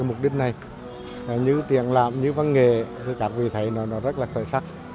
mục đích này như truyền làm như văn nghề các vị thầy rất khởi sắc